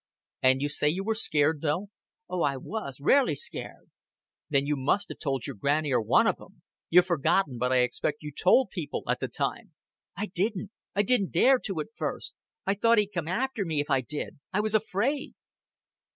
"An' you say you were scared, though?" "Oh, I was, rarely scared." "Then you must have told your Granny, or one of 'em. You've forgotten, but I expect you told people at the time." "I didn't. I didn't dare to at first. I thought he'd come after me, if I did. I was afraid."